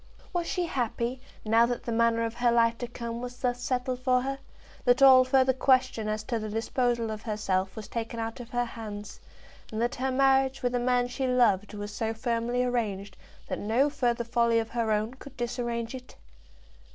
Was she happy, now that the manner of her life to come was thus settled for her; that all further question as to the disposal of herself was taken out of her hands, and that her marriage with a man she loved was so firmly arranged that no further folly of her own could disarrange it?